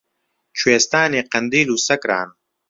کوێستانی قەندیل و سەکران